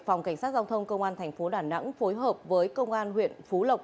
phòng cảnh sát giao thông công an thành phố đà nẵng phối hợp với công an huyện phú lộc